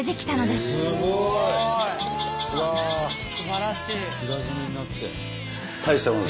すばらしい！